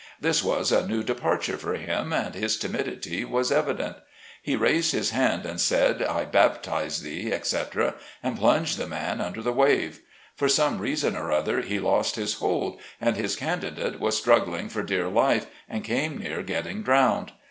This was a new departure for him and his timidity was evident. He raised his hand and said, "I baptize thee," etc., and plunged the man under the wave. For some reason or other, he lost his hold and his candidate was struggling for dear life, and came near getting drowned.